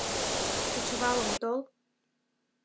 — Кечывалым тол.